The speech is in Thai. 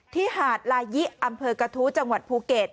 หาดลายิอำเภอกระทู้จังหวัดภูเก็ต